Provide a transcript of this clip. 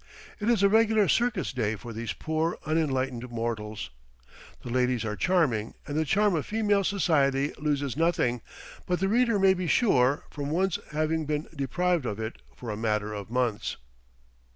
It is a regular circus day for these poor, unenlightened mortals. The ladies are charming, and the charm of female society loses nothing, the reader may be sure, from one's having been deprived of it for a matter of months.